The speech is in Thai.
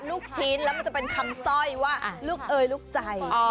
ลูกชิ้นแล้วมันจะเป็นคำสร้อยว่าลูกเอยลูกใจ